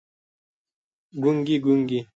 ګونګي، ګونګي